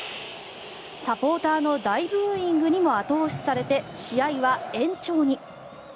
サポーターの大ブーイングにも後押しされて試合は延長に。